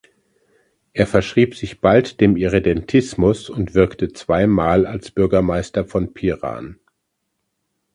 Er verschrieb sich bald dem Irredentismus und wirkte zwei Mal als Bürgermeister von Piran.